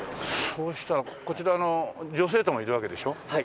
そうしたらこちらの女生徒もいるわけでしょ？